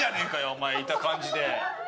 お前いた感じで。